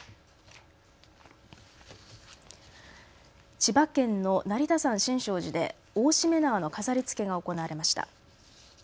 千葉県の成田山新勝寺で大しめ縄の飾りつけが行われました。